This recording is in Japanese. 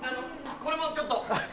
これもちょっと。